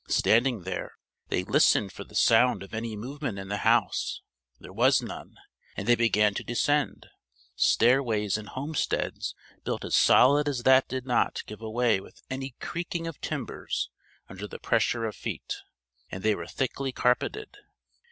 Standing there, they listened for the sound of any movement in the house: there was none, and they began to descend. Stairways in homesteads built as solid as that did not give way with any creaking of timbers under the pressure of feet; and they were thickly carpeted.